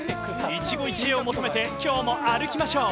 一期一会を求めて、きょうも歩きましょう。